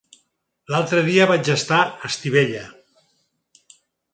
L'altre dia vaig estar a Estivella.